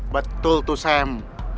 betul tuh sam